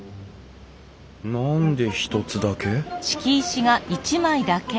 何で一つだけ？